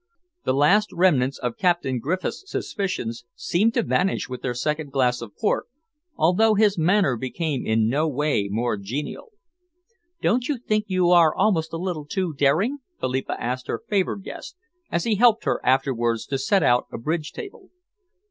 The last remnants of Captain Griffiths' suspicions seemed to vanish with their second glass of port, although his manner became in no way more genial. "Don't you think you are almost a little too daring?" Philippa asked her favoured guest as he helped her afterwards to set out a bridge table.